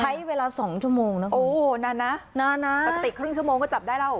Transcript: ใช้เวลาสองชั่วโมงนะคุณโอ้นานนะนานนะปกติครึ่งชั่วโมงก็จับได้แล้ว